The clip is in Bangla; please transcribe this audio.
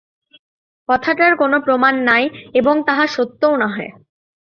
কথাটার কোনো প্রমাণ নাই এবং তাহা সত্যও নহে।